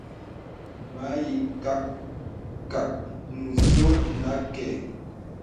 Mə ìkâ kak ǹzɔ̄ nə kɛ̂.